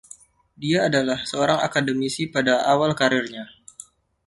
Dia adalah seorang akademisi pada awal kariernya.